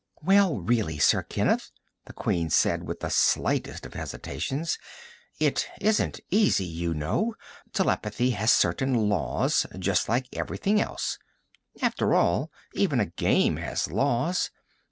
"Well, really, Sir Kenneth," the Queen said with the slightest of hesitations, "it isn't easy, you know. Telepathy has certain laws, just like everything else. After all, even a game has laws.